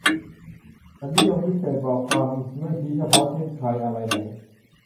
อนิยมวิเศษณ์ บอกความไม่ชี้เฉพาะ เช่น ใคร อะไร ไหน